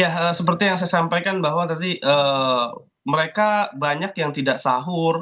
ya seperti yang saya sampaikan bahwa tadi mereka banyak yang tidak sahur